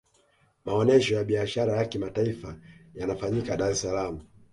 maonesho ya biashara ya kimataifa yanafanyika dar es salaam